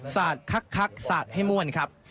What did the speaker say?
สาดคักสาดให้ม่วนครับ